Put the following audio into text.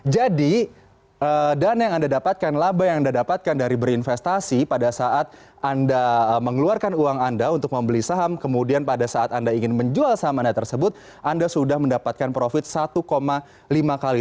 jadi dana yang anda dapatkan laba yang anda dapatkan dari berinvestasi pada saat anda mengeluarkan uang anda untuk membeli saham kemudian pada saat anda ingin menjual saham anda tersebut anda sudah mendapatkan profit satu lima kali